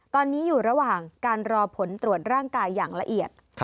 ตอนนี้อยู่ระหว่างการรอผลตรวจร่างกายอย่างละเอียด